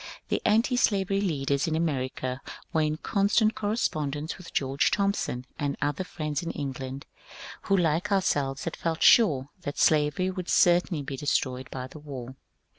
The antislavery leaders in America were in constant correspond ence with George Thompson and other friends in England who like ourselves had felt sure that slavery would certainly be destroyed by the war.